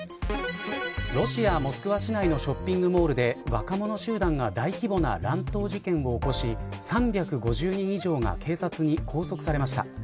ロシア、モスクワ市内のショッピングモールで若者集団が大規模な乱闘騒ぎを起こし３５０人以上が警察に拘束されました。